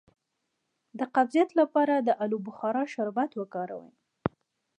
د قبضیت لپاره د الو بخارا شربت وکاروئ